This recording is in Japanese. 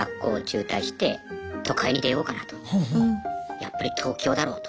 やっぱり東京だろうと。